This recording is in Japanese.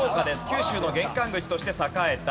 九州の玄関口として栄えた。